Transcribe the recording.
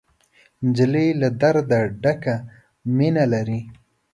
نجلۍ له درده ډکه مینه لري.